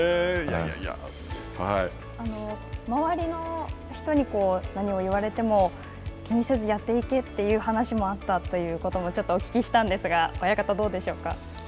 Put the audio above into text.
周りの人に何を言われても気にせずやっていけっていう話もあったということもお聞きしたんですが親方、どうでしょうか。